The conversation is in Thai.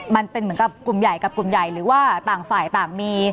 เหมือนกับกลุ่มใหญ่กับกลุ่มใหญ่หรือว่าต่างฝ่ายต่างมี